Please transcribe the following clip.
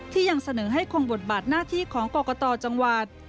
ยังเสนอให้คงบทบาทหน้าที่ของกรกตจังหวัด